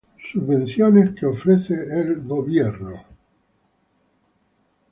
Subvenciones que ofrece el Gobierno